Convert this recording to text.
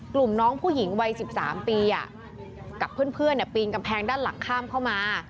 น้องผู้หญิงวัย๑๓ปีกับเพื่อนปีนกำแพงด้านหลังข้ามเข้ามา